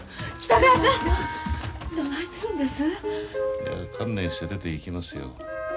いや観念して出ていきますよ。